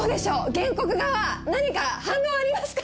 原告側何か反論はありますか？